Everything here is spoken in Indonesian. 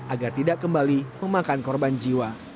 agar tidak kembali memakan korban jiwa